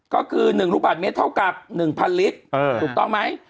ก็คือ๑ลูกบาทเมตรเท่ากับ๑๐๐ลิตรถูกต้องไหม